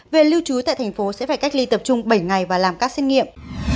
về lưu trú tại thành phố sẽ phải cách ly tập trung bảy ngày và làm các xét nghiệm